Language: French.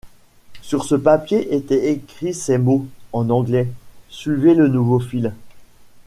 Sur ce papier étaient écrits ces mots, en anglais: « Suivez le nouveau fil.